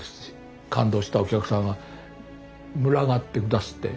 感動したお客さんが群がって下すって。